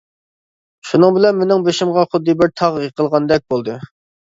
شۇنىڭ بىلەن مېنىڭ بېشىمغا خۇددى بىر تاغ يېقىلغاندەك بولدى.